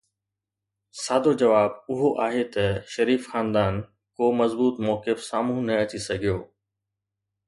سادو جواب اهو آهي ته شريف خاندان ڪو مضبوط موقف سامهون نه اچي سگهيو.